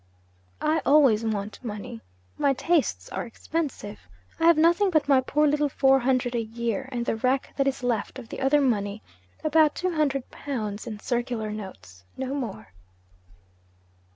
'I always want money. My tastes are expensive. I have nothing but my poor little four hundred a year and the wreck that is left of the other money: about two hundred pounds in circular notes no more.'